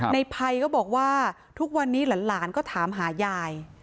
ในภัยก็บอกว่าทุกวันนี้หลานก็ถามหายาย